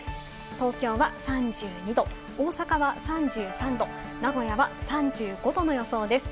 東京は３２度、大阪は３３度、名古屋は３５度の予想です。